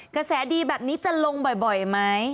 กระแสดีแบบนี้จะลงบ่อยไหม